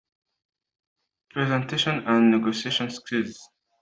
presentation and negotiation skills